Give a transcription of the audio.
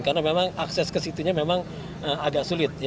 karena memang akses ke situnya memang agak sulit